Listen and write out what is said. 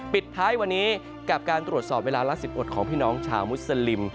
ปิดท้ายวันนี้กับการตรวจสอบเวลาละ๑๐อดของพี่น้องชาวมุสลิม